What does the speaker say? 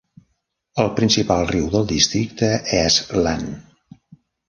El principal riu del districte és Lahn.